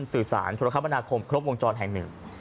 สื่อสารธุรกรรมนาคมครบวงจรแห่งหนึ่ง